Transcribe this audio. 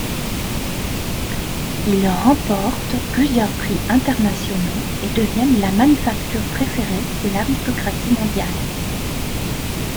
Ils remportent plusieurs prix internationaux et deviennent la manufacture préférée de l'aristocratie mondiale.